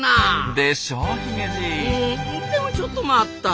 でもちょっと待った。